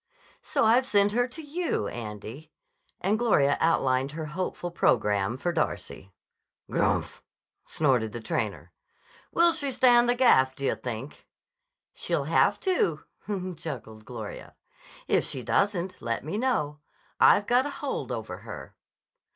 "So I've sent her to you, Andy." And Gloria outlined her hopeful programme for Darcy. "Grmph!" snorted the trainer. "Will she stand the gaff, d' yah think?" "She'll have to," chuckled Gloria. "If she doesn't, let me know. I've got a hold over her."